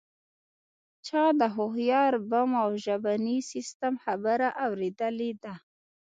چا د هوښیار بم او ژبني سیستم خبره اوریدلې ده